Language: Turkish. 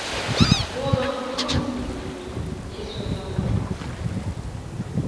"Bu adamın ne olması mümkündür?" diye söylendi.